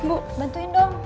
bu bantuin dong